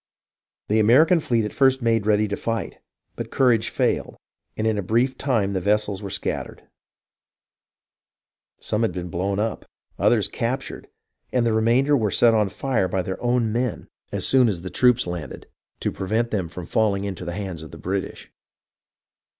The American fleet at first made ready to fight, but courage failed, and in a brief time the vessels were scat tered. Some had been blown up, others captured, and the remainder were set on fire by their own men as soon 396 HISTORY OF THE AMERICAN REVOLUTION as the troops landed, to prevent them from falling into the hands of the British.